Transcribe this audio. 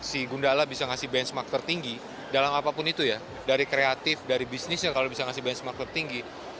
si gundala bisa ngasih benchmark tertinggi dalam apapun itu ya dari kreatif dari bisnisnya kalau bisa ngasih benchmark tertinggi